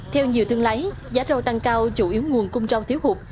theo nhiều thương lái giá rau tăng cao chủ yếu nguồn cung rau thiếu hụt